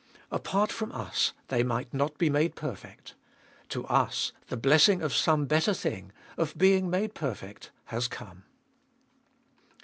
Apart from us they might not be made perfect ; to us the blessing of some better thing, of being made perfect, has come.